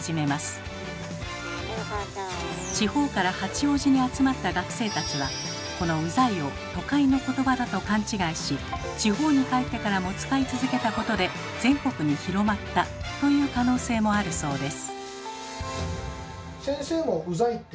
地方から八王子に集まった学生たちはこの「うざい」を都会の言葉だと勘違いし地方に帰ってからも使い続けたことで全国に広まったという可能性もあるそうです。